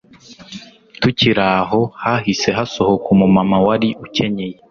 Tukiri aho hahise hasohoka umumama wari ukenyeye